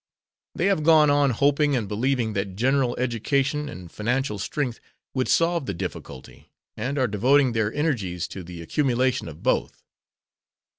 They have gone on hoping and believing that general education and financial strength would solve the difficulty, and are devoting their energies to the accumulation of both.